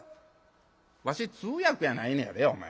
「わし通訳やないのやでお前。